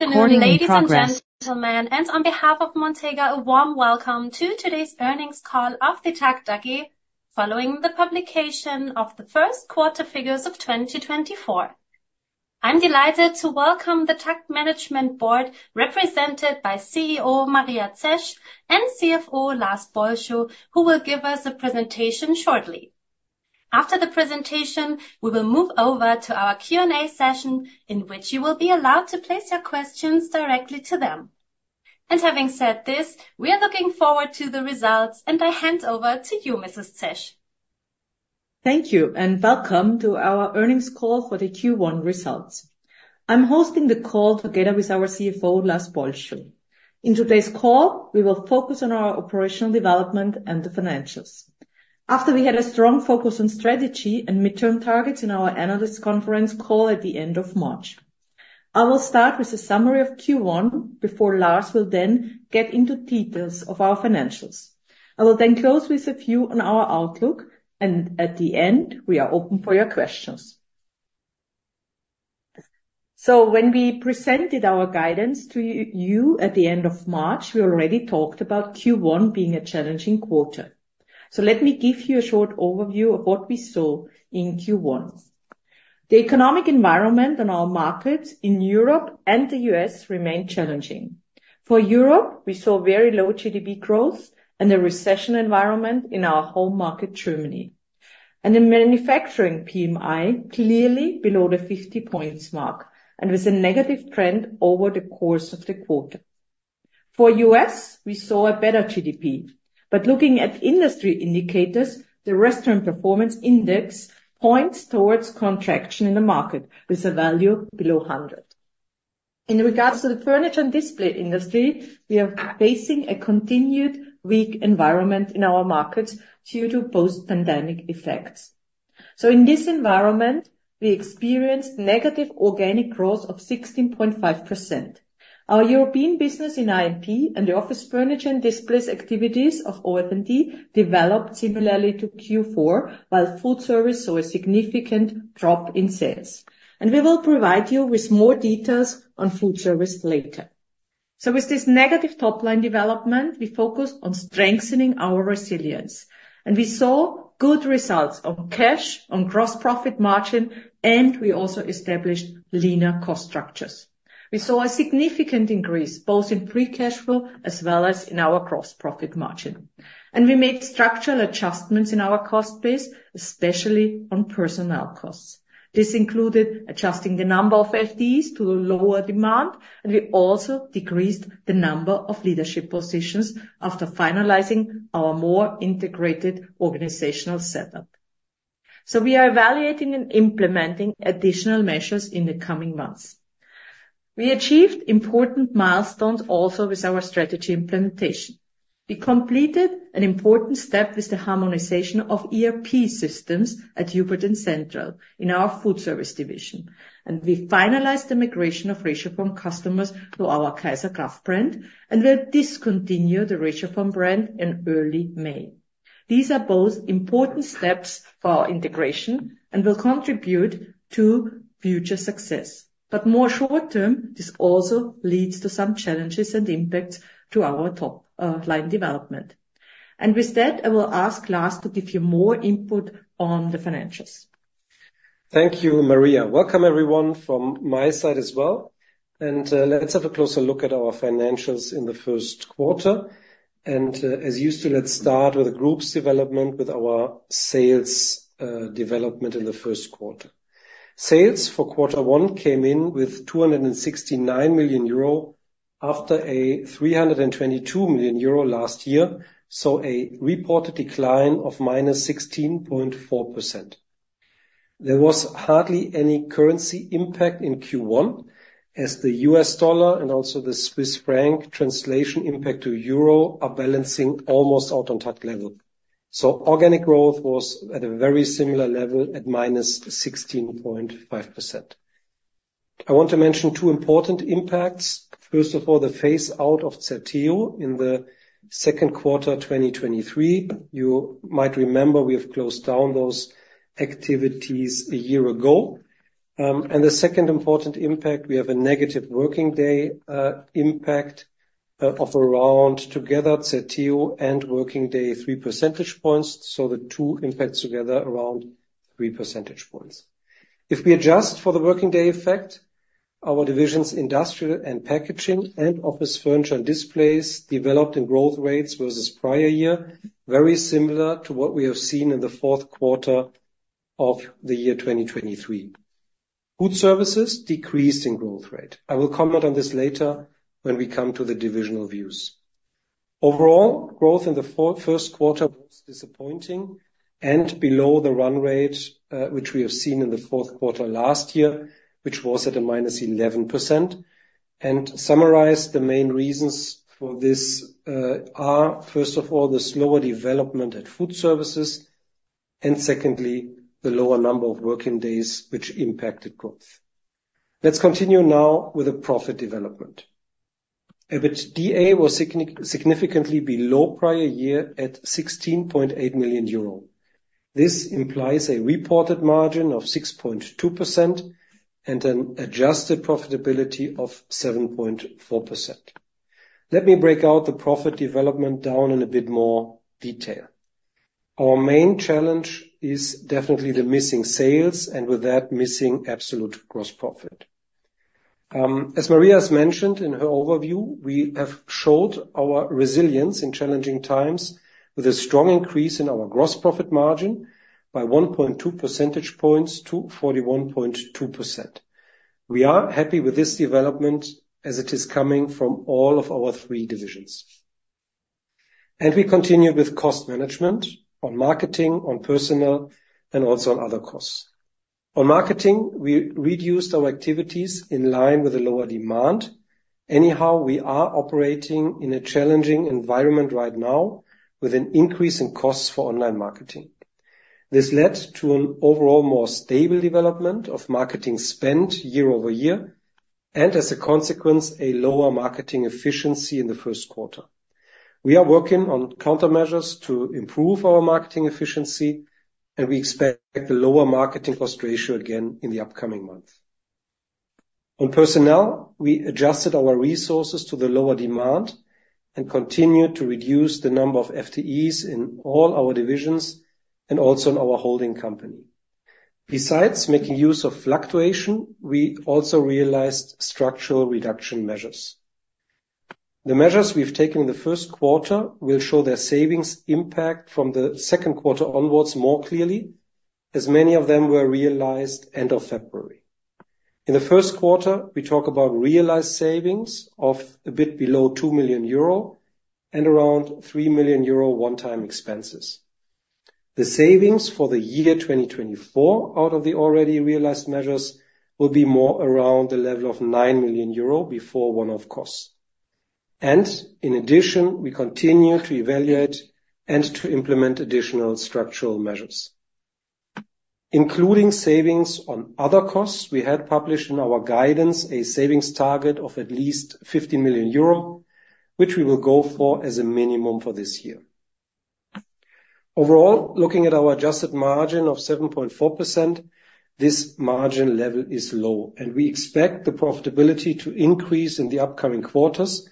Good morning, ladies and gentlemen, and on behalf of Montega, a warm welcome to today's earnings call of the TAKKT AG following the publication of the first quarter figures of 2024. I'm delighted to welcome the TAKKT Management Board, represented by CEO Maria Zesch and CFO Lars Bolscho, who will give us a presentation shortly. After the presentation, we will move over to our Q&A session, in which you will be allowed to place your questions directly to them. And having said this, we are looking forward to the results, and I hand over to you, Mrs. Zesch. Thank you, and welcome to our earnings call for the Q1 results. I'm hosting the call together with our CFO Lars Bolscho. In today's call, we will focus on our operational development and the financials, after we had a strong focus on strategy and midterm targets in our analysts' conference call at the end of March. I will start with a summary of Q1 before Lars will then get into details of our financials. I will then close with a view on our outlook, and at the end, we are open for your questions. So when we presented our guidance to you at the end of March, we already talked about Q1 being a challenging quarter. So let me give you a short overview of what we saw in Q1. The economic environment on our markets in Europe and the U.S. remained challenging. For Europe, we saw very low GDP growth and a recession environment in our home market, Germany, and a manufacturing PMI clearly below the 50-points mark and with a negative trend over the course of the quarter. For the U.S., we saw a better GDP, but looking at industry indicators, the Restaurant Performance Index points towards contraction in the market with a value below 100. In regard to the furniture and display industry, we are facing a continued weak environment in our markets due to post-pandemic effects. So in this environment, we experienced negative organic growth of 16.5%. Our European business in I&P and the Office Furniture & Displays activities of OF&D developed similarly to Q4, while FoodService saw a significant drop in sales. We will provide you with more details on FoodService later. With this negative top-line development, we focused on strengthening our resilience, and we saw good results on cash, on gross profit margin, and we also established leaner cost structures. We saw a significant increase both in free cash flow as well as in our gross profit margin. We made structural adjustments in our cost base, especially on personnel costs. This included adjusting the number of FTEs to lower demand, and we also decreased the number of leadership positions after finalizing our more integrated organizational setup. We are evaluating and implementing additional measures in the coming months. We achieved important milestones also with our strategy implementation. We completed an important step with the harmonization of ERP systems at Hubert and Central in our FoodService division, and we finalized the migration of ratioform customers to our KAISER+KRAFT brand, and we'll discontinue the ratioform brand in early May. These are both important steps for integration and will contribute to future success, but more short-term, this also leads to some challenges and impacts to our top-line development. With that, I will ask Lars to give you more input on the financials. Thank you, Maria. Welcome, everyone, from my side as well. Let's have a closer look at our financials in the first quarter. As usual, let's start with the group's development with our sales development in the first quarter. Sales for quarter one came in with 269 million euro after a 322 million euro last year, so a reported decline of -16.4%. There was hardly any currency impact in Q1, as the U.S. dollar and also the Swiss franc translation impact to euro are balancing almost out-on-touch level. So organic growth was at a very similar level at -16.5%. I want to mention two important impacts. First of all, the phase-out of Certeo in the second quarter 2023. You might remember we have closed down those activities a year ago. And the second important impact, we have a negative working day impact of around, together, Certeo and working day 3 percentage points. So the two impacts together around 3 percentage points. If we adjust for the working day effect, our divisions Industrial & Packaging and Office Furniture & Displays developed in growth rates versus prior year, very similar to what we have seen in the fourth quarter of the year 2023. FoodServices decreased in growth rate. I will comment on this later when we come to the divisional views. Overall, growth in the first quarter was disappointing and below the run rate, which we have seen in the fourth quarter last year, which was at a -11%. And summarized, the main reasons for this are, first of all, the slower development at FoodServices, and secondly, the lower number of working days, which impacted growth. Let's continue now with the profit development. EBITDA was significantly below prior year at 16.8 million euro. This implies a reported margin of 6.2% and an adjusted profitability of 7.4%. Let me break out the profit development down in a bit more detail. Our main challenge is definitely the missing sales and with that, missing absolute gross profit. As Maria has mentioned in her overview, we have showed our resilience in challenging times with a strong increase in our gross profit margin by 1.2 percentage points to 41.2%. We are happy with this development as it is coming from all of our three divisions. We continue with cost management on marketing, on personnel, and also on other costs. On marketing, we reduced our activities in line with the lower demand. Anyhow, we are operating in a challenging environment right now with an increase in costs for online marketing. This led to an overall more stable development of marketing spend year-over-year and, as a consequence, a lower marketing efficiency in the first quarter. We are working on countermeasures to improve our marketing efficiency, and we expect the lower marketing cost ratio again in the upcoming month. On personnel, we adjusted our resources to the lower demand and continued to reduce the number of FTEs in all our divisions and also in our holding company. Besides making use of fluctuation, we also realized structural reduction measures. The measures we've taken in the first quarter will show their savings impact from the second quarter onwards more clearly, as many of them were realized end of February. In the first quarter, we talk about realized savings of a bit below 2 million euro and around 3 million euro one-time expenses. The savings for the year 2024 out of the already realized measures will be more around the level of 9 million euro before one-off costs. In addition, we continue to evaluate and to implement additional structural measures. Including savings on other costs, we had published in our guidance a savings target of at least 15 million euro, which we will go for as a minimum for this year. Overall, looking at our adjusted margin of 7.4%, this margin level is low, and we expect the profitability to increase in the upcoming quarters,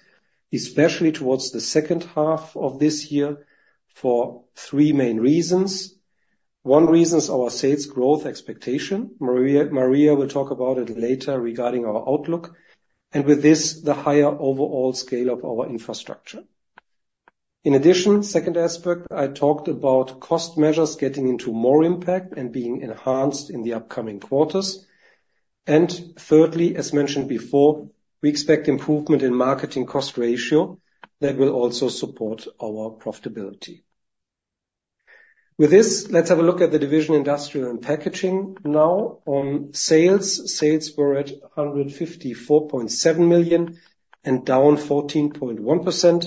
especially towards the second half of this year for three main reasons. One reason is our sales growth expectation. Maria will talk about it later regarding our outlook. With this, the higher overall scale of our infrastructure. In addition, second aspect, I talked about cost measures getting into more impact and being enhanced in the upcoming quarters. Thirdly, as mentioned before, we expect improvement in marketing cost ratio that will also support our profitability. With this, let's have a look at the division Industrial & Packaging now. On sales, sales were at 154.7 million and down 14.1%.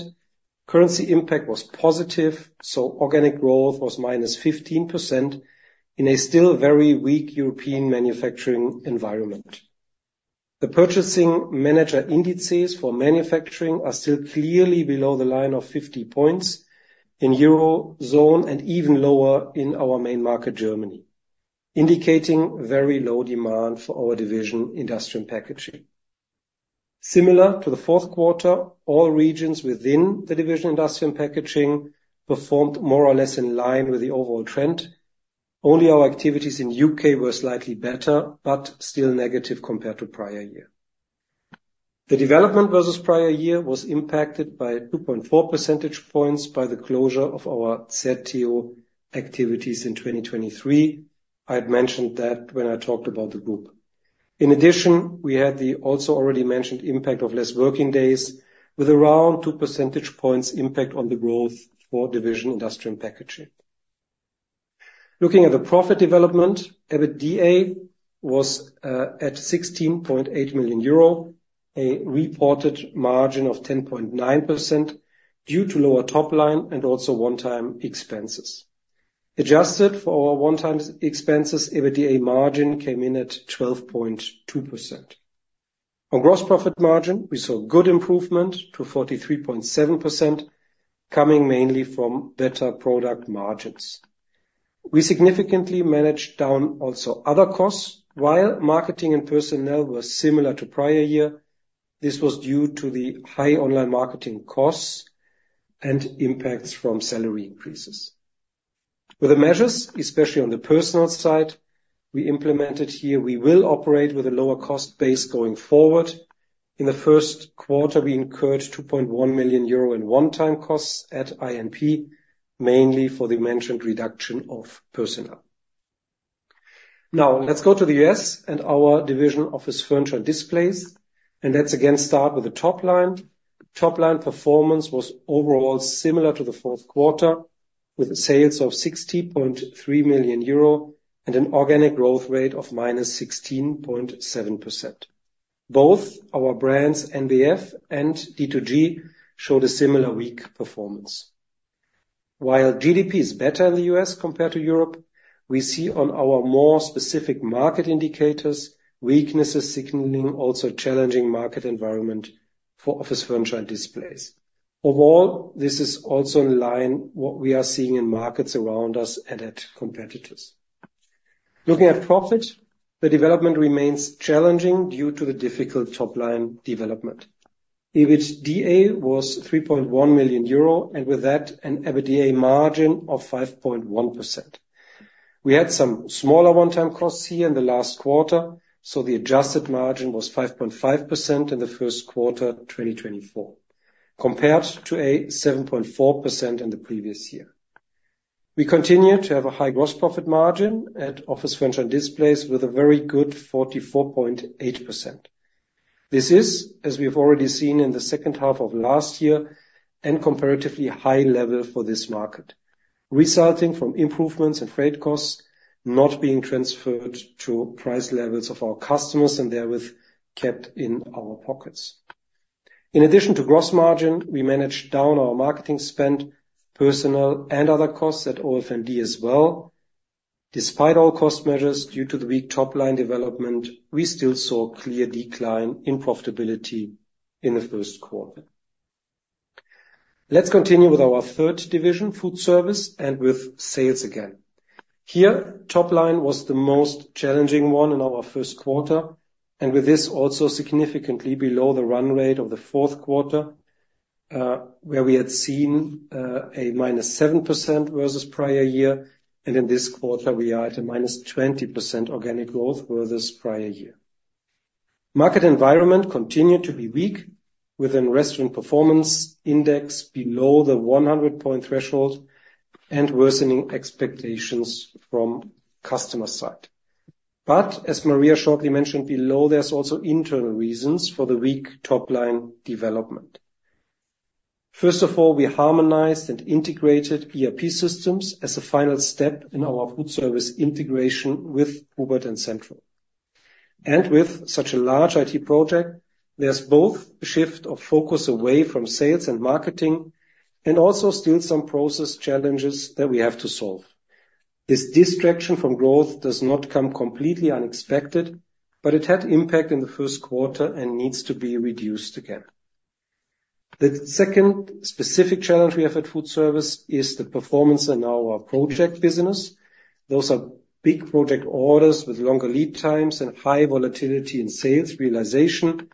Currency impact was positive, so organic growth was -15% in a still very weak European manufacturing environment. The purchasing manager indices for manufacturing are still clearly below the line of 50 points in Eurozone and even lower in our main market, Germany, indicating very low demand for our division Industrial & Packaging. Similar to the fourth quarter, all regions within the division Industrial & Packaging performed more or less in line with the overall trend. Only our activities in the U.K. were slightly better, but still negative compared to prior year. The development versus prior year was impacted by 2.4 percentage points by the closure of our Certeo activities in 2023. I had mentioned that when I talked about the group. In addition, we had the also already mentioned impact of less working days with around 2 percentage points impact on the growth for division Industrial & Packaging. Looking at the profit development, EBITDA was at 16.8 million euro, a reported margin of 10.9% due to lower top-line and also one-time expenses. Adjusted for our one-time expenses, EBITDA margin came in at 12.2%. On gross profit margin, we saw good improvement to 43.7%, coming mainly from better product margins. We significantly managed down also other costs. While marketing and personnel were similar to prior year, this was due to the high online marketing costs and impacts from salary increases. With the measures, especially on the personal side, we implemented here, we will operate with a lower cost base going forward. In the first quarter, we incurred 2.1 million euro in one-time costs at I&P, mainly for the mentioned reduction of personnel. Now, let's go to the U.S. and our division Office Furniture & Displays. Let's again start with the top line. Top-line performance was overall similar to the fourth quarter with sales of 60.3 million euro and an organic growth rate of -16.7%. Both our brands, NBF and D2G, showed a similar weak performance. While GDP is better in the U.S. compared to Europe, we see on our more specific market indicators weaknesses signaling also a challenging market environment for Office Furniture & Displays. Overall, this is also in line with what we are seeing in markets around us and at competitors. Looking at profit, the development remains challenging due to the difficult top-line development. EBITDA was 3.1 million euro and with that, an EBITDA margin of 5.1%. We had some smaller one-time costs here in the last quarter, so the adjusted margin was 5.5% in the first quarter 2024 compared to a 7.4% in the previous year. We continue to have a high gross profit margin at Office Furniture & Displays with a very good 44.8%. This is, as we have already seen in the second half of last year, a comparatively high level for this market, resulting from improvements in freight costs not being transferred to price levels of our customers and therewith kept in our pockets. In addition to gross margin, we managed down our marketing spend, personnel, and other costs at OF&D as well. Despite all cost measures due to the weak top-line development, we still saw a clear decline in profitability in the first quarter. Let's continue with our third division, FoodService, and with sales again. Here, top-line was the most challenging one in our first quarter and with this also significantly below the run rate of the fourth quarter, where we had seen a -7% versus prior year. In this quarter, we are at a -20% organic growth versus prior year. Market environment continued to be weak with a Restaurant Performance Index below the 100-point threshold and worsening expectations from the customer side. As Maria shortly mentioned below, there's also internal reasons for the weak top-line development. First of all, we harmonized and integrated ERP systems as a final step in our FoodService integration with Hubert and Central. With such a large IT project, there's both a shift of focus away from sales and marketing and also still some process challenges that we have to solve. This distraction from growth does not come completely unexpected, but it had impact in the first quarter and needs to be reduced again. The second specific challenge we have at FoodService is the performance in our project business. Those are big project orders with longer lead times and high volatility in sales realization.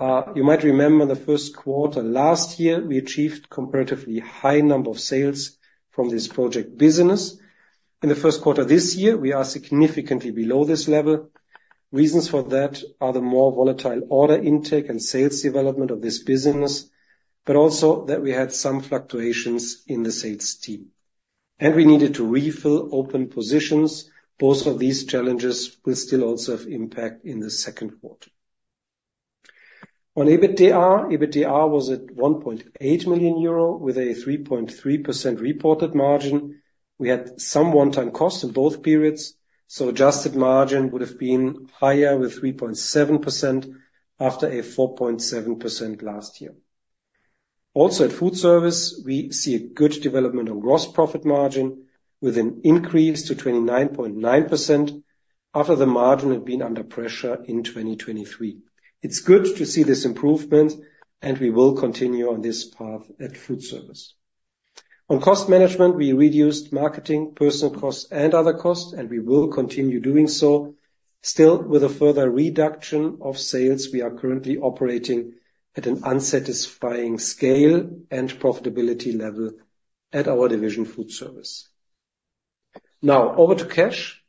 You might remember the first quarter last year, we achieved a comparatively high number of sales from this project business. In the first quarter this year, we are significantly below this level. Reasons for that are the more volatile order intake and sales development of this business, but also that we had some fluctuations in the sales team. We needed to refill open positions. Both of these challenges will still also have impact in the second quarter. On EBITDA, EBITDA was at 1.8 million euro with a 3.3% reported margin. We had some one-time costs in both periods. So adjusted margin would have been higher with 3.7% after a 4.7% last year. Also at FoodService, we see a good development on gross profit margin with an increase to 29.9% after the margin had been under pressure in 2023. It's good to see this improvement, and we will continue on this path at FoodService. On cost management, we reduced marketing, personnel costs, and other costs, and we will continue doing so, still with a further reduction of sales. We are currently operating at an unsatisfying scale and profitability level at our division FoodService. Now, over to cash.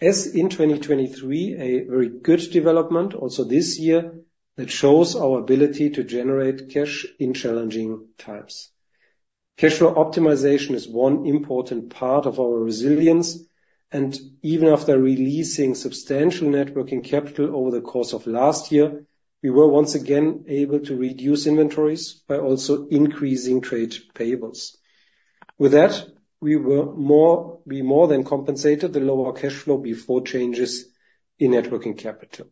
As in 2023, a very good development, also this year, that shows our ability to generate cash in challenging times. Cash flow optimization is one important part of our resilience. Even after releasing substantial net working capital over the course of last year, we were once again able to reduce inventories by also increasing trade payables. With that, we were more than compensated for the lower cash flow before changes in net working capital.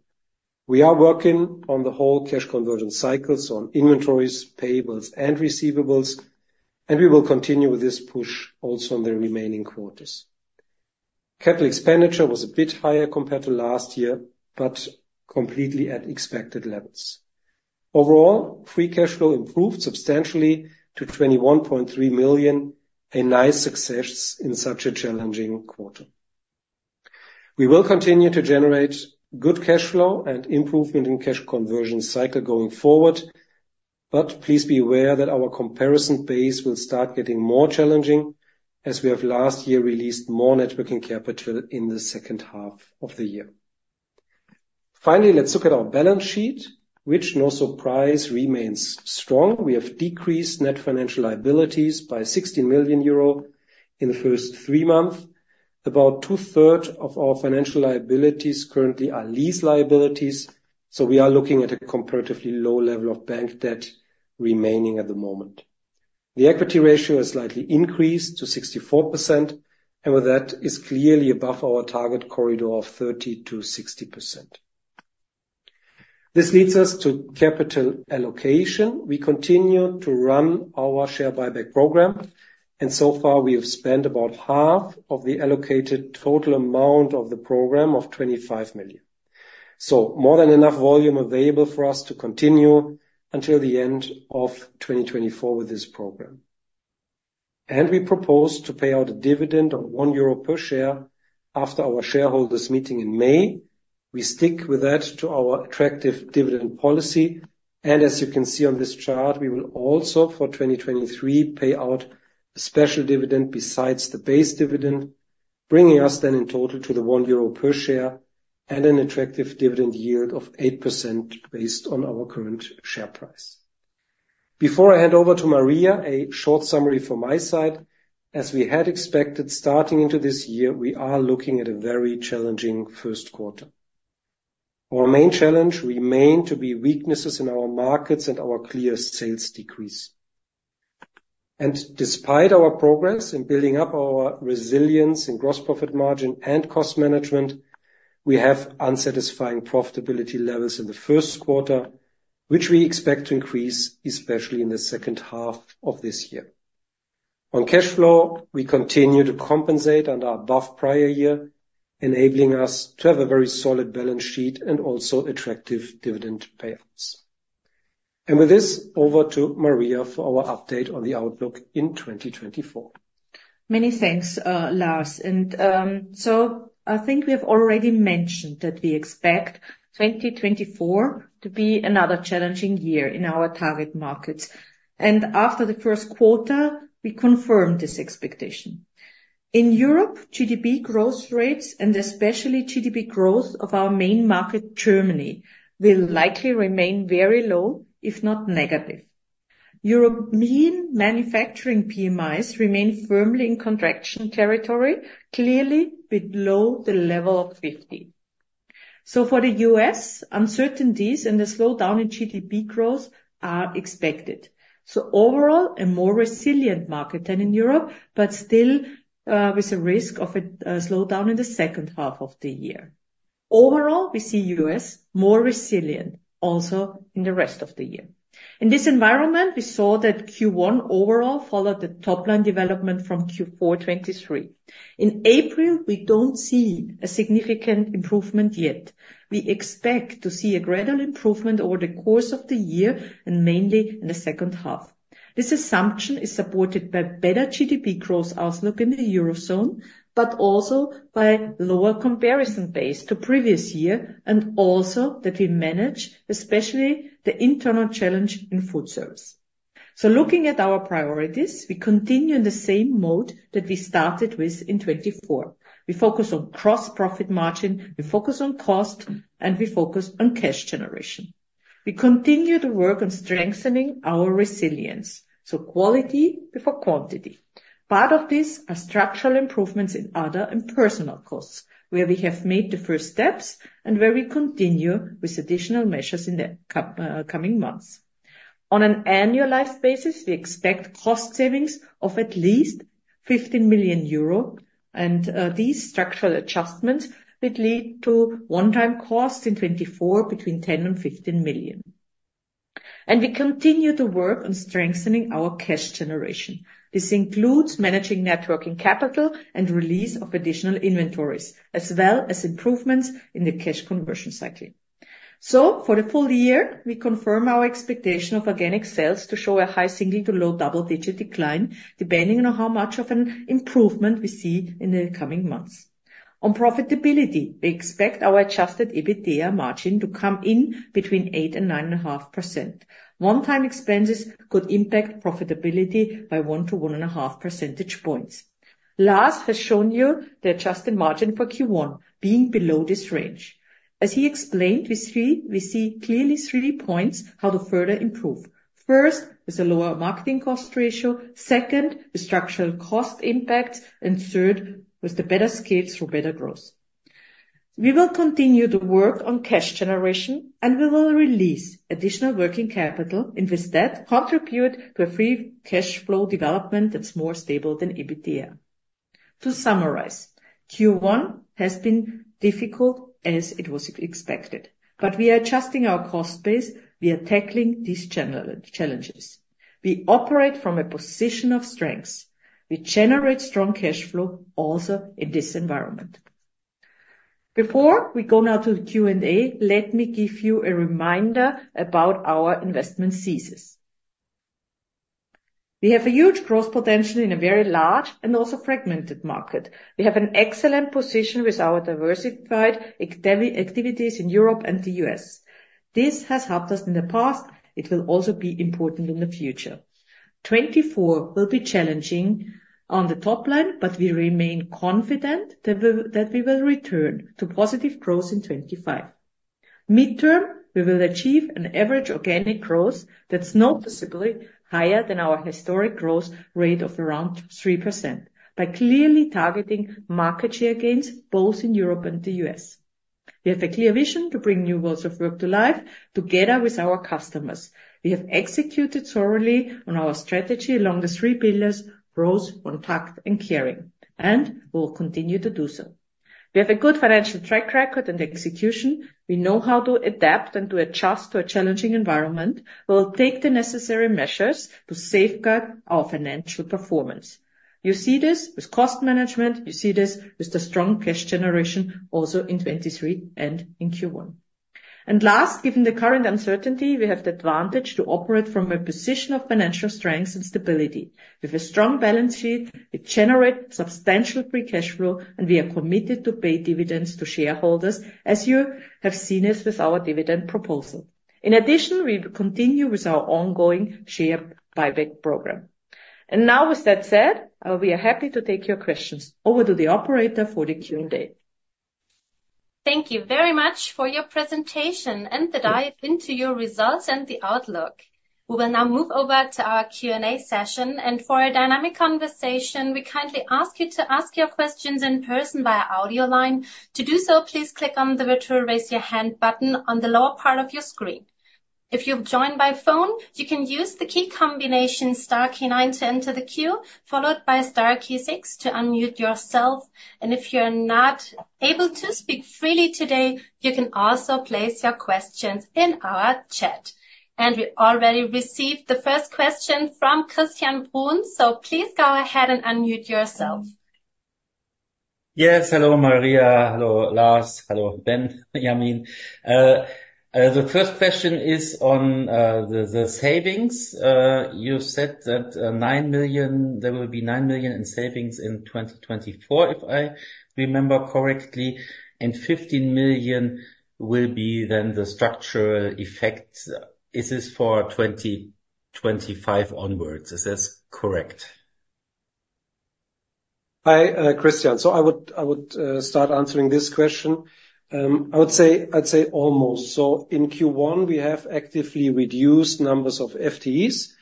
We are working on the whole cash conversion cycle, so on inventories, payables, and receivables. We will continue with this push also in the remaining quarters. Capital expenditure was a bit higher compared to last year, but completely at expected levels. Overall, free cash flow improved substantially to 21.3 million, a nice success in such a challenging quarter. We will continue to generate good cash flow and improvement in cash conversion cycle going forward. But please be aware that our comparison base will start getting more challenging as we have last year released more net working capital in the second half of the year. Finally, let's look at our balance sheet, which, no surprise, remains strong. We have decreased net financial liabilities by 16 million euro in the first three months. About 2/3 of our financial liabilities currently are lease liabilities. So we are looking at a comparatively low level of bank debt remaining at the moment. The equity ratio is slightly increased to 64%. And with that, it's clearly above our target corridor of 30%-60%. This leads us to capital allocation. We continue to run our share buyback program. And so far, we have spent about half of the allocated total amount of the program of 25 million. More than enough volume available for us to continue until the end of 2024 with this program. We propose to pay out a dividend of 1 euro per share after our shareholders' meeting in May. We stick with that to our attractive dividend policy. As you can see on this chart, we will also for 2023 pay out a special dividend besides the base dividend, bringing us then in total to the 1 euro per share and an attractive dividend yield of 8% based on our current share price. Before I hand over to Maria, a short summary from my side. As we had expected starting into this year, we are looking at a very challenging first quarter. Our main challenge remained to be weaknesses in our markets and our clear sales decrease. Despite our progress in building up our resilience in gross profit margin and cost management, we have unsatisfying profitability levels in the first quarter, which we expect to increase, especially in the second half of this year. On cash flow, we continue to compensate and are above prior year, enabling us to have a very solid balance sheet and also attractive dividend payouts. With this, over to Maria for our update on the outlook in 2024. Many thanks, Lars. So I think we have already mentioned that we expect 2024 to be another challenging year in our target markets. After the first quarter, we confirmed this expectation. In Europe, GDP growth rates and especially GDP growth of our main market, Germany, will likely remain very low, if not negative. European manufacturing PMIs remain firmly in contraction territory, clearly below the level of 50. So for the U.S., uncertainties and a slowdown in GDP growth are expected. So overall, a more resilient market than in Europe, but still with a risk of a slowdown in the second half of the year. Overall, we see the U.S. more resilient also in the rest of the year. In this environment, we saw that Q1 overall followed the top-line development from Q4 2023. In April, we don't see a significant improvement yet. We expect to see a gradual improvement over the course of the year and mainly in the second half. This assumption is supported by better GDP growth outlook in the Eurozone, but also by lower comparison base to previous year and also that we manage, especially the internal challenge in FoodService. So looking at our priorities, we continue in the same mode that we started with in 2024. We focus on gross-profit margin, we focus on cost, and we focus on cash generation. We continue to work on strengthening our resilience. Quality before quantity. Part of this are structural improvements in other and personnel costs, where we have made the first steps and where we continue with additional measures in the coming months. On an annualized basis, we expect cost savings of at least 15 million euro. These structural adjustments would lead to one-time costs in 2024 between 10 million and 15 million. We continue to work on strengthening our cash generation. This includes managing net working capital and release of additional inventories, as well as improvements in the cash conversion cycle. For the full year, we confirm our expectation of organic sales to show a high single-digit to low double-digit decline, depending on how much of an improvement we see in the coming months. On profitability, we expect our adjusted EBITDA margin to come in between 8%-9.5%. One-time expenses could impact profitability by 1%-1.5% percentage points. Lars has shown you the adjusted margin for Q1 being below this range. As he explained, we see clearly three points how to further improve. First, with a lower marketing cost ratio. Second, with structural cost impacts. And third, with the better scales for better growth. We will continue to work on cash generation, and we will release additional working capital and with that, contribute to a free cash flow development that's more stable than EBITDA. To summarize, Q1 has been difficult as it was expected. But we are adjusting our cost base via tackling these challenges. We operate from a position of strengths. We generate strong cash flow also in this environment. Before we go now to the Q&A, let me give you a reminder about our investment thesis. We have a huge growth potential in a very large and also fragmented market. We have an excellent position with our diversified activities in Europe and the U.S. This has helped us in the past. It will also be important in the future. 2024 will be challenging on the top line, but we remain confident that we will return to positive growth in 2025. Mid-term, we will achieve an average organic growth that's noticeably higher than our historic growth rate of around 3% by clearly targeting market share gains both in Europe and the U.S. We have a clear vision to bring new worlds of work to life together with our customers. We have executed thoroughly on our strategy along the three pillars: Growth, OneTAKKT, and Caring. We will continue to do so. We have a good financial track record and execution. We know how to adapt and to adjust to a challenging environment. We will take the necessary measures to safeguard our financial performance. You see this with cost management. You see this with the strong cash generation also in 2023 and in Q1. Last, given the current uncertainty, we have the advantage to operate from a position of financial strengths and stability. With a strong balance sheet, we generate substantial free cash flow, and we are committed to pay dividends to shareholders, as you have seen it with our dividend proposal. In addition, we continue with our ongoing share buyback program. Now, with that said, we are happy to take your questions. Over to the operator for the Q&A. Thank you very much for your presentation and the dive into your results and the outlook. We will now move over to our Q&A session. For a dynamic conversation, we kindly ask you to ask your questions in person via audio line. To do so, please click on the virtual raise your hand button on the lower part of your screen. If you've joined by phone, you can use the key combination star key nine to enter the queue, followed by star key 6 to unmute yourself. If you're not able to speak freely today, you can also place your questions in our chat. We already received the first question from Christian Bruns. Please go ahead and unmute yourself. Yes. Hello, Maria. Hello, Lars. Hello, Benjamin. The first question is on the savings. You said that, 9 million, there will be 9 million in savings in 2024, if I remember correctly. 15 million will be then the structural effect. Is this for 2025 onwards? Is this correct? Hi, Christian. So I would, I would, start answering this question. I would say, I'd say almost. So in Q1, we have actively reduced numbers of FTEs,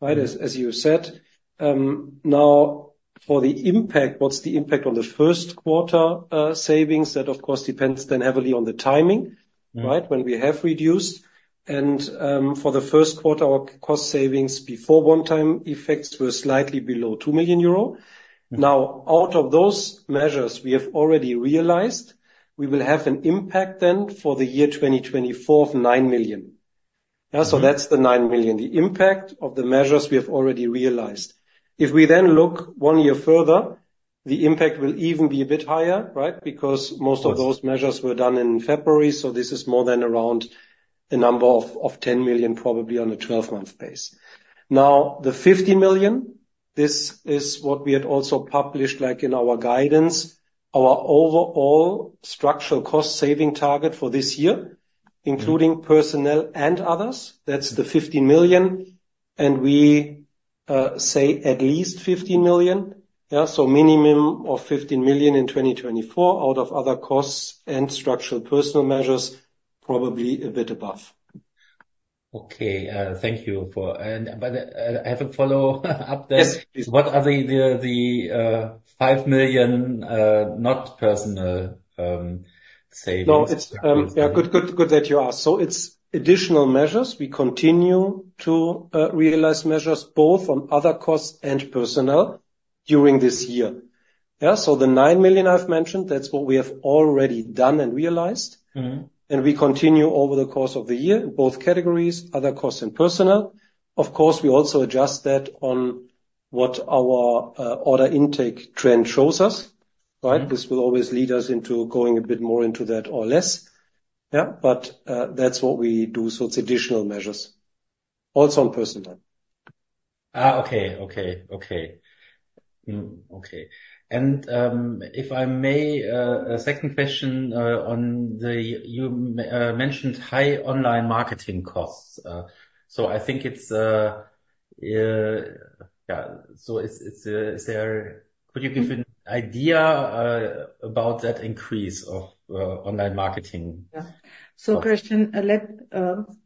right, as you said. Now, for the impact, what's the impact on the first quarter, savings? That, of course, depends then heavily on the timing, right, when we have reduced. For the first quarter, our cost savings before one-time effects were slightly below 2 million euro. Now, out of those measures we have already realized, we will have an impact then for the year 2024 of 9 million. Yeah? So that's the 9 million, the impact of the measures we have already realized. If we then look one year further, the impact will even be a bit higher, right, because most of those measures were done in February. So this is more than around 10 million, probably on a 12-month basis. Now, the 15 million, this is what we had also published, like, in our guidance, our overall structural cost saving target for this year, including personnel and others. That's the 15 million. And we say at least 15 million. Yeah? So minimum of 15 million in 2024 out of other costs and structural personnel measures, probably a bit above. Okay. Thank you. And but I have a follow-up there. Yes, please. What are the 5 million, not personnel, savings? No, it's, yeah, good, good, good that you asked. So it's additional measures. We continue to realize measures both on other costs and personnel during this year. Yeah? So the 9 million I've mentioned, that's what we have already done and realized. And we continue over the course of the year in both categories, other costs and personnel. Of course, we also adjust that on what our order intake trend shows us, right? This will always lead us into going a bit more into that or less. Yeah? But that's what we do. So it's additional measures, also on personnel. Okay. Okay. Okay. Okay. And if I may, a second question on the one you mentioned, high online marketing costs. So I think it's yeah. So is there could you give an idea about that increase of online marketing? Yeah. So Christian, let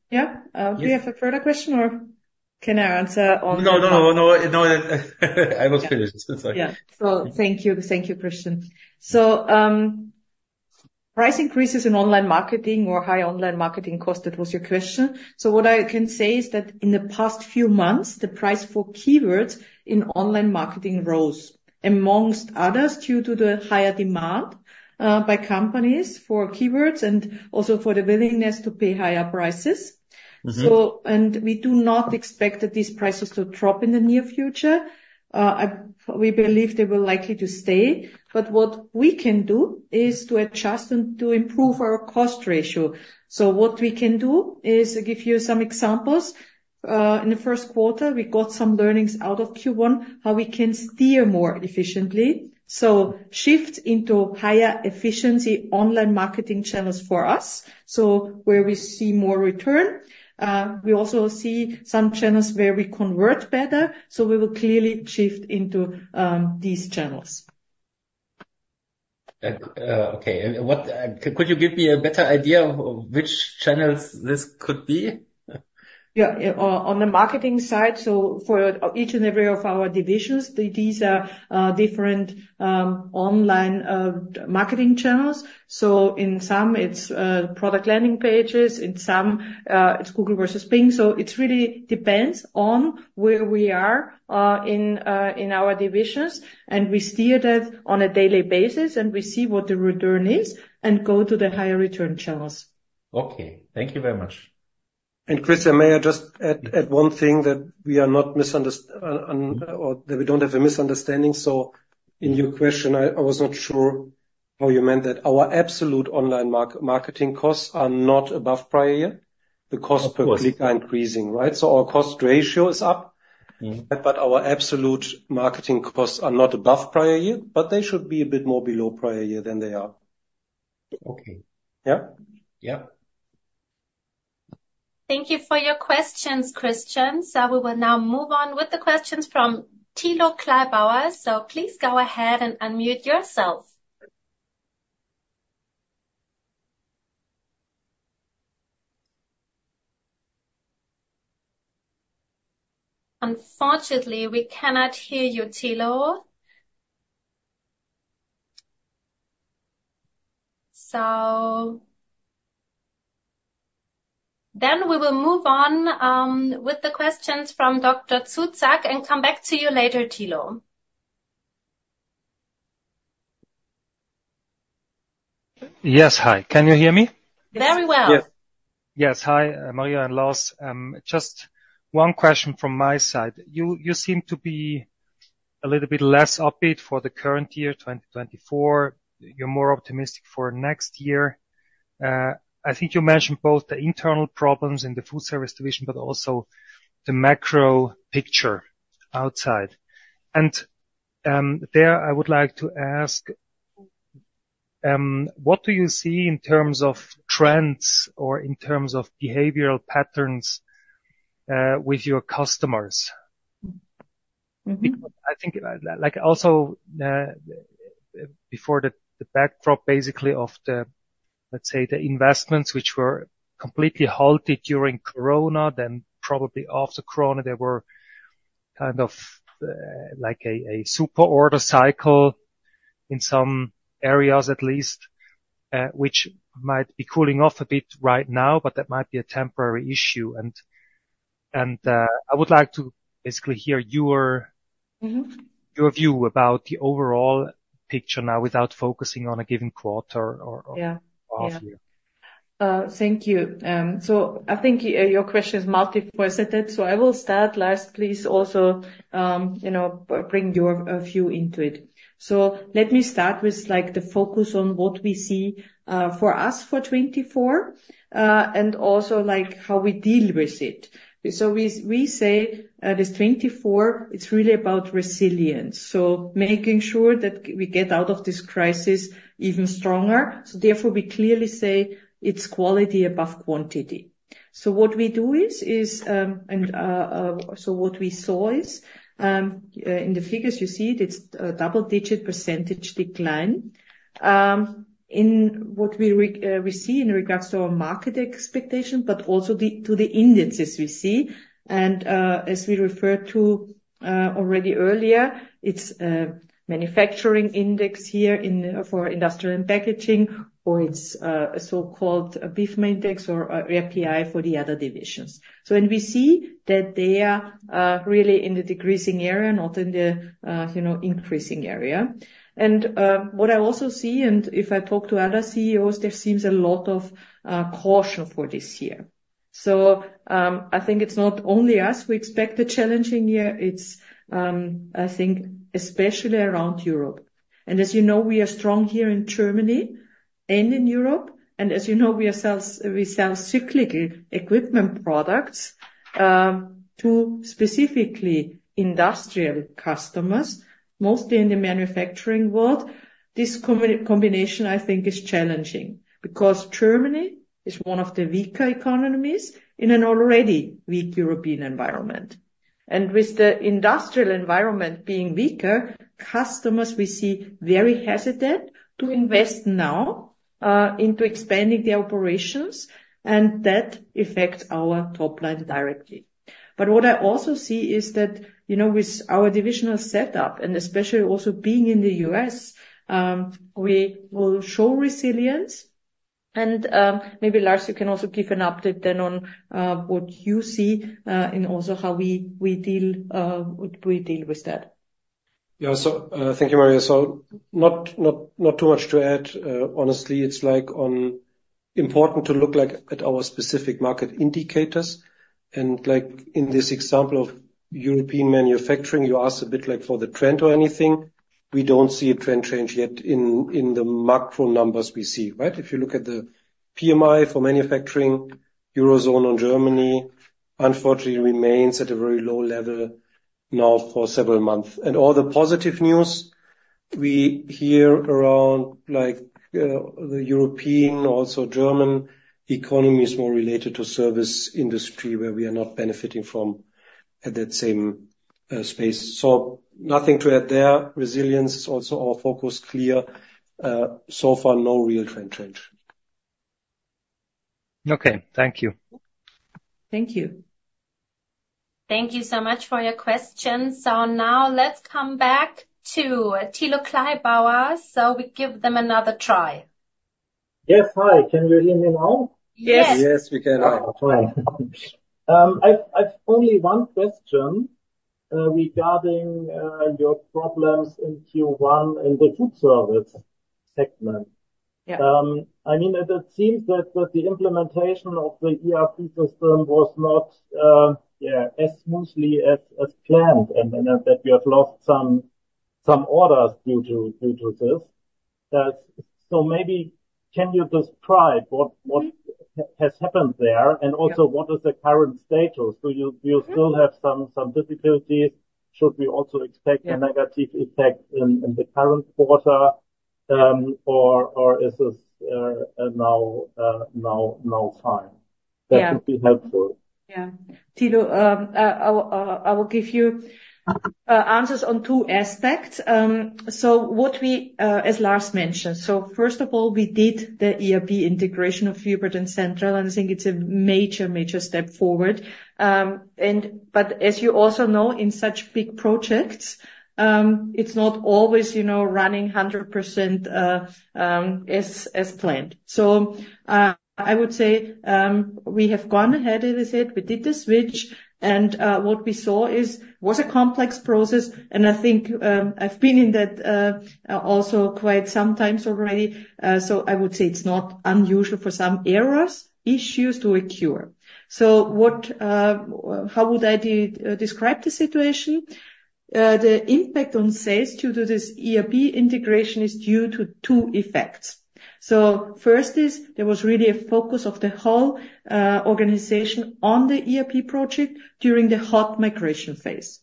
yeah? Do you have a further question, or can I answer on? No, no, no. No, no. I was finished. Sorry. Yeah. So thank you. Thank you, Christian. So, price increases in online marketing or high online marketing cost, that was your question. So what I can say is that in the past few months, the price for keywords in online marketing rose, among others, due to the higher demand, by companies for keywords and also for the willingness to pay higher prices. So and we do not expect that these prices to drop in the near future. We believe they will likely to stay. But what we can do is to adjust and to improve our cost ratio. So what we can do is give you some examples. In the first quarter, we got some learnings out of Q1, how we can steer more efficiently. So shift into higher efficiency online marketing channels for us, so where we see more return. We also see some channels where we convert better. So we will clearly shift into these channels. Okay. And what could you give me a better idea of which channels this could be? Yeah. On the marketing side, so for each and every one of our divisions, these are different online marketing channels. So in some, it's product landing pages. In some, it's Google versus Bing. So it really depends on where we are in our divisions. And we steer that on a daily basis, and we see what the return is and go to the higher return channels. Okay. Thank you very much. And Christian, may I just add one thing that we are not misunderstanding or that we don't have a misunderstanding? So in your question, I was not sure how you meant that. Our absolute online marketing costs are not above prior year. The cost per click are increasing, right? So our cost ratio is up, but our absolute marketing costs are not above prior year, but they should be a bit more below prior year than they are. Okay. Yeah? Yeah. Thank you for your questions, Christian. So we will now move on with the questions from Thilo Kleibauer. So please go ahead and unmute yourself. Unfortunately, we cannot hear you, Thilo. So then we will move on, with the questions from Dr. Zuzak and come back to you later, Thilo. Yes. Hi. Can you hear me? Very well. Yes. Yes. Hi, Maria and Lars. Just one question from my side. You, you seem to be a little bit less optimistic for the current year, 2024. You're more optimistic for next year. I think you mentioned both the internal problems in the FoodService division, but also the macro picture outside. There, I would like to ask what you see in terms of trends or in terms of behavioral patterns with your customers? Because I think, like, also before the backdrop, basically, of the, let's say, the investments, which were completely halted during Corona, then probably after Corona there were kind of, like a superorder cycle in some areas, at least, which might be cooling off a bit right now, but that might be a temporary issue. And I would like to basically hear your view about the overall picture now without focusing on a given quarter or half year. Yeah. Thank you. So I think your question is multiple-pointed. So I will start, Lars, please also, you know, bring your view into it. So let me start with, like, the focus on what we see, for us for 2024, and also, like, how we deal with it. So we say, this 2024, it's really about resilience, so making sure that we get out of this crisis even stronger. So therefore, we clearly say it's quality above quantity. So what we do is, so what we saw is, in the figures you see, it's a double-digit percentage decline, in what we see in regards to our market expectation, but also to the indices we see. And, as we referred to already earlier, it's manufacturing index here in for Industrial & Packaging, or it's a so-called BIFMA index or RPI for the other divisions. So we see that they are really in the decreasing area, not in the, you know, increasing area. What I also see, and if I talk to other CEOs, there seems a lot of caution for this year. I think it's not only us. We expect a challenging year. It's, I think, especially around Europe. As you know, we are strong here in Germany and in Europe. As you know, we sell cyclical equipment products to specifically industrial customers, mostly in the manufacturing world. This combination, I think, is challenging because Germany is one of the weaker economies in an already weak European environment. With the industrial environment being weaker, customers, we see very hesitant to invest now into expanding their operations. That affects our top line directly. But what I also see is that, you know, with our divisional setup and especially also being in the U.S., we will show resilience. And, maybe, Lars, you can also give an update then on what you see in also how we deal with that. Yeah. So, thank you, Maria. So not too much to add. Honestly, it's like important to look, like, at our specific market indicators. And, like, in this example of European manufacturing, you asked a bit, like, for the trend or anything. We don't see a trend change yet in the macro numbers we see, right? If you look at the PMI for manufacturing, Eurozone and Germany, unfortunately, remains at a very low level now for several months. And all the positive news we hear around, like, the European, also German economy is more related to service industry where we are not benefiting from at that same space. So nothing to add there. Resilience is also our focus, clear. So far, no real trend change. Okay. Thank you. Thank you. Thank you so much for your questions. So now let's come back to Thilo Kleibauer, so we give them another try. Yes. Hi. Can you hear me now? Yes. Yes, we can. Oh, fine. I've only one question regarding your problems in Q1 in the FoodService segment. Yeah. I mean, it seems that the implementation of the ERP system was not, yeah, as smoothly as planned, and that you have lost some orders due to this. So maybe can you describe what has happened there and also what is the current status? Do you still have some difficulties? Should we also expect a negative effect in the current quarter, or is this now fine? That would be helpful. Yeah. Thilo, I will, I will give you answers on two aspects. What we, as Lars mentioned, first of all, we did the ERP integration of Hubert and Central, and I think it's a major, major step forward. But as you also know, in such big projects, it's not always, you know, running 100%, as planned. I would say, we have gone ahead with it. We did the switch. What we saw was a complex process. I think, I've been in that also quite some times already. I would say it's not unusual for some errors, issues to occur. What, how would I describe the situation? The impact on sales due to this ERP integration is due to two effects. First is there was really a focus of the whole organization on the ERP project during the hot migration phase.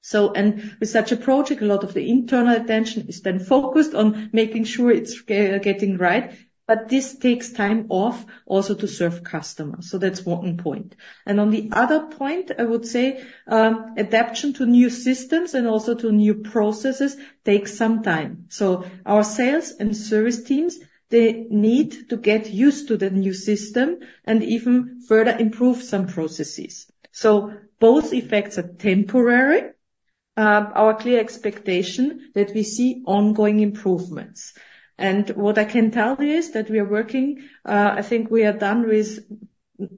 So and with such a project, a lot of the internal attention is then focused on making sure it's getting right. But this takes time off also to serve customers. So that's one point. And on the other point, I would say, adaptation to new systems and also to new processes takes some time. So our sales and service teams, they need to get used to the new system and even further improve some processes. So both effects are temporary. Our clear expectation that we see ongoing improvements. And what I can tell you is that we are working. I think we are done with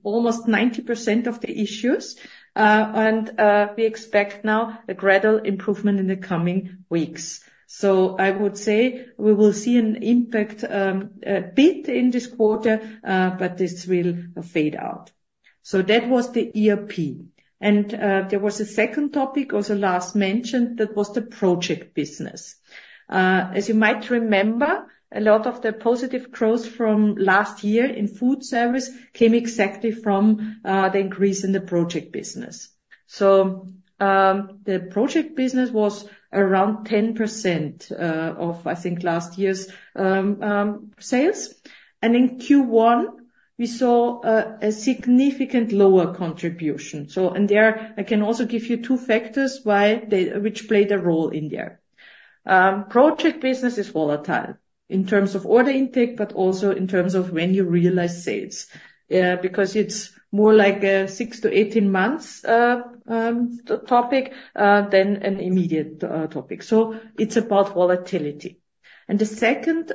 almost 90% of the issues, and we expect now a gradual improvement in the coming weeks. So I would say we will see an impact, a bit in this quarter, but this will fade out. So that was the ERP. There was a second topic, also last mentioned, that was the project business. As you might remember, a lot of the positive growth from last year in FoodService came exactly from the increase in the project business. So, the project business was around 10% of, I think, last year's sales. And in Q1, we saw a significant lower contribution. So and there, I can also give you two factors why they which played a role in there. Project business is volatile in terms of order intake, but also in terms of when you realize sales, because it's more like a 6-18 months topic, than an immediate topic. So it's about volatility. And the second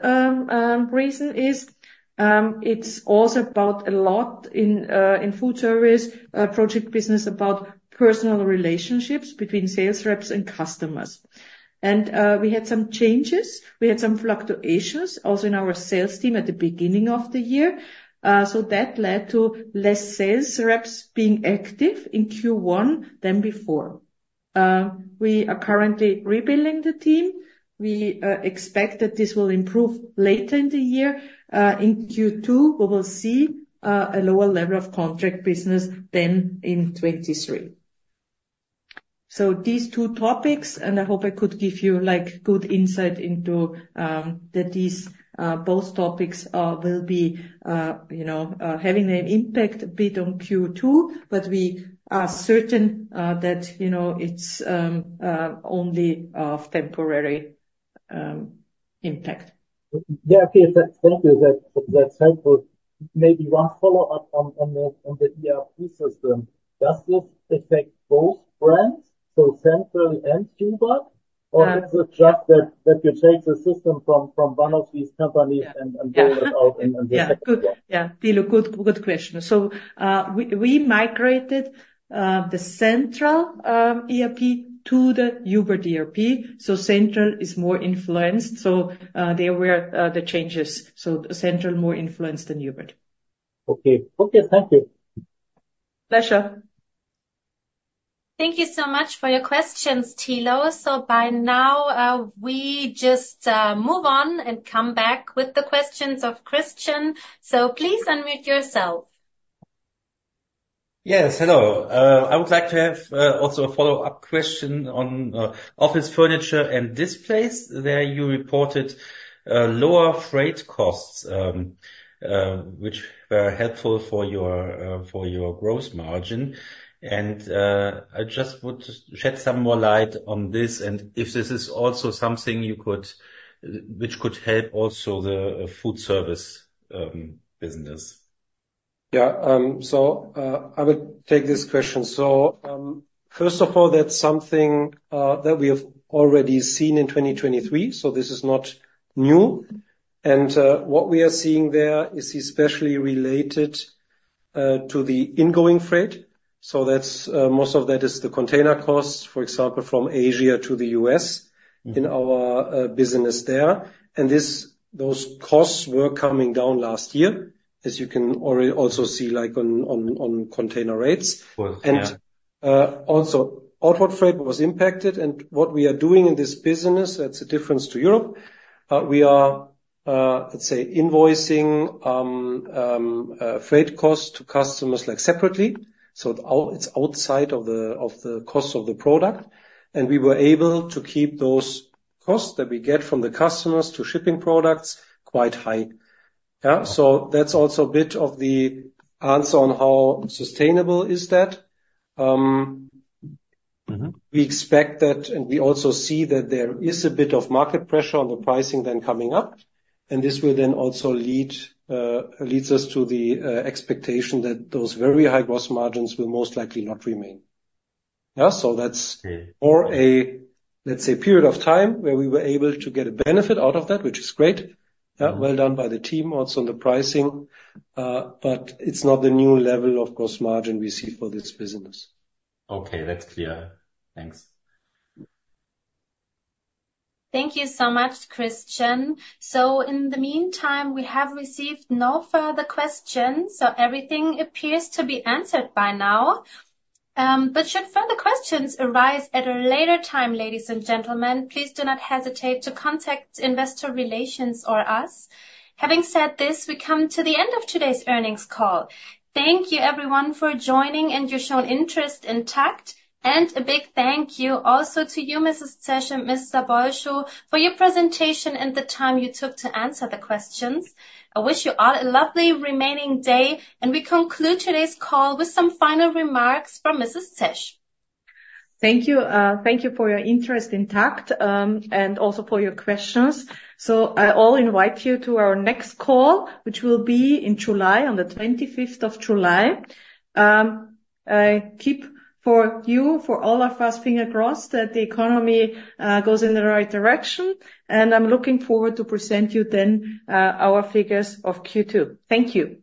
reason is, it's also about a lot in, in FoodService, project business about personal relationships between sales reps and customers. And we had some changes. We had some fluctuations also in our sales team at the beginning of the year. So that led to less sales reps being active in Q1 than before. We are currently rebuilding the team. We expect that this will improve later in the year. In Q2, we will see a lower level of contract business than in 2023. So these two topics, and I hope I could give you, like, good insight into that these both topics will be, you know, having an impact a bit on Q2, but we are certain that, you know, it's only of temporary impact. Yeah. Okay. Thank you. That's helpful. Maybe one follow-up on the ERP system. Does this affect both brands, so Central and Hubert, or is it just that, that you take the system from, from one of these companies and, and roll it out in, in the second one? Yeah. Good. Yeah. Thilo, good, good question. So, we, we migrated the Central ERP to the Hubert ERP. So Central is more influenced. So, there were the changes. So Central more influenced than Hubert. Okay. Okay. Thank you. Pleasure. Thank you so much for your questions, Thilo. So by now, we just move on and come back with the questions of Christian. So please unmute yourself. Yes. Hello. I would like to have also a follow-up question on Office Furniture & Displays where you reported lower freight costs, which were helpful for your, for your gross margin. And I just would shed some more light on this and if this is also something you could which could help also the FoodService business. Yeah, so I will take this question. So, first of all, that's something that we have already seen in 2023. So this is not new. And what we are seeing there is especially related to the ingoing freight. So that's most of that is the container costs, for example, from Asia to the U.S. in our business there. And this those costs were coming down last year, as you can already also see, like, on container rates. And also, outward freight was impacted. And what we are doing in this business, that's a difference to Europe, we are, let's say, invoicing freight costs to customers, like, separately. So it's outside of the cost of the product. We were able to keep those costs that we get from the customers to shipping products quite high. Yeah. So that's also a bit of the answer on how sustainable is that. We expect that and we also see that there is a bit of market pressure on the pricing then coming up. And this will then also lead, leads us to the, expectation that those very high gross margins will most likely not remain. Yeah. So that's more a, let's say, period of time where we were able to get a benefit out of that, which is great. Yeah. Well done by the team, also on the pricing. But it's not the new level of gross margin we see for this business. Okay. That's clear. Thanks. Thank you so much, Christian. So in the meantime, we have received no further questions. So everything appears to be answered by now. But should further questions arise at a later time, ladies and gentlemen, please do not hesitate to contact investor relations or us. Having said this, we come to the end of today's earnings call. Thank you, everyone, for joining and your shown interest in TAKKT. And a big thank you also to you, Mrs. Zesch and Mr. Bolscho, for your presentation and the time you took to answer the questions. I wish you all a lovely remaining day. And we conclude today's call with some final remarks from Mrs. Zesch. Thank you. Thank you for your interest in TAKKT, and also for your questions. So I'll invite you to our next call, which will be in July on the 25th of July. I keep my fingers crossed for you, for all of us, that the economy goes in the right direction. I'm looking forward to present you then, our figures of Q2. Thank you.